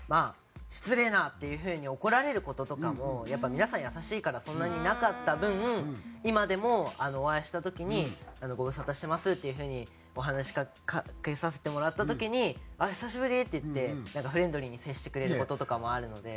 「失礼な！」っていう風に怒られる事とかもやっぱり皆さん優しいからそんなになかった分今でもお会いした時に「ご無沙汰してます」っていう風に話しかけさせてもらった時に「あっ久しぶり！」って言ってフレンドリーに接してくれる事とかもあるので。